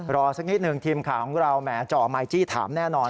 สักนิดหนึ่งทีมข่าวของเราแหมจ่อไมค์จี้ถามแน่นอน